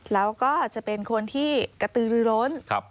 แล้วก็จะเป็นคนที่กระตือรือร้น